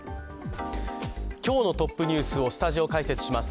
今日のトップニュースをスタジオ解説します